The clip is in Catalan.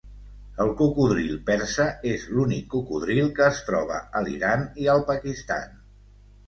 El cocodril persa és l'únic cocodril que es troba a l'Iran i al Pakistan.